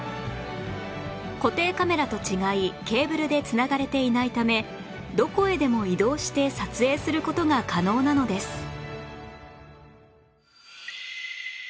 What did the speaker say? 固定カメラと違いケーブルで繋がれていないためどこへでも移動して撮影する事が可能なのです